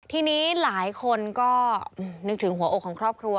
ทีนี้หลายคนก็นึกถึงหัวอกของครอบครัว